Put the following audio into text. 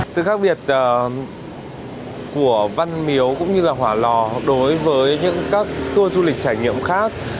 sự khác biệt của văn miếu cũng như là hỏa lò đối với những các tour du lịch trải nghiệm khác